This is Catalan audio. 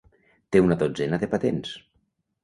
Té una dotzena de patents.